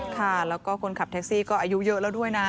ค่ะแล้วก็คนขับแท็กซี่ก็อายุเยอะแล้วด้วยนะ